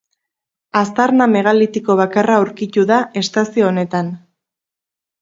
Aztarna megalitiko bakarra aurkitu da estazio honetan.